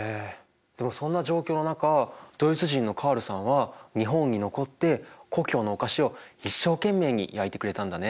でもそんな状況の中ドイツ人のカールさんは日本に残って故郷のお菓子を一生懸命に焼いてくれたんだね。